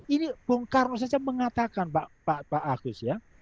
ini bung karno saja mengatakan pak agus ya